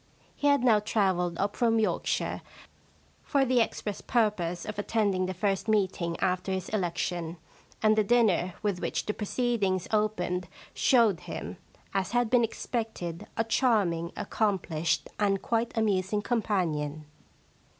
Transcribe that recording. He had now travelled up from Yorkshire for the express purpose of attending the first meeting after his election, and the dinner with which the proceedings opened showed him, as had been expected, a charming, accomplished, and quite amusing companion.